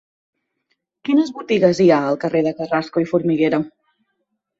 Quines botigues hi ha al carrer de Carrasco i Formiguera?